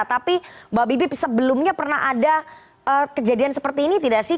tapi mbak bibip sebelumnya pernah ada kejadian seperti ini tidak sih